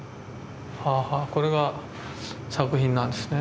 はあはあこれが作品なんですね。